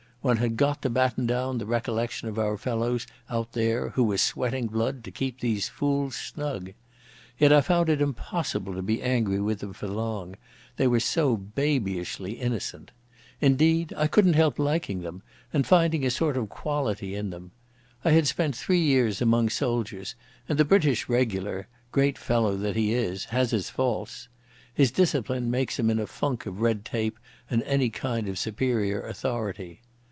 One had got to batten down the recollection of our fellows out there who were sweating blood to keep these fools snug. Yet I found it impossible to be angry with them for long, they were so babyishly innocent. Indeed, I couldn't help liking them, and finding a sort of quality in them. I had spent three years among soldiers, and the British regular, great fellow that he is, has his faults. His discipline makes him in a funk of red tape and any kind of superior authority.